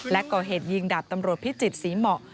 และก่อเหตุยิงดาบตำรวจพิจิตรศรีเหมาะ